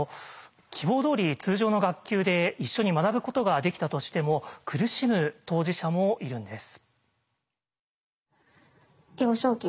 希望どおり通常の学級で一緒に学ぶことができたとしても苦しむ当事者もいるんです。